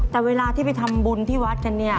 แต่เวลาที่ไปทำบุญที่วัดกันเนี่ย